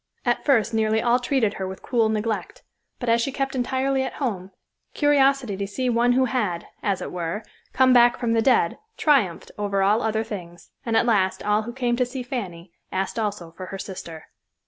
At first nearly all treated her with cool neglect, but as she kept entirely at home, curiosity to see one who had, as it were, come back from the dead triumphed over all other things; and at last all who came to see Fanny asked also for her sister.